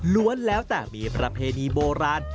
้วนแล้วแต่มีประเพณีโบราณ